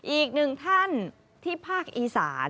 อีกหนึ่งท่านที่ภาคอีสาน